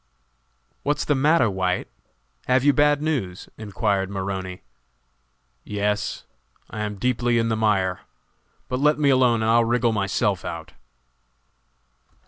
"What's the matter, White? have you bad news?" enquired Maroney. "Yes, I am deeply in the mire, but let me alone and I'll wriggle myself out."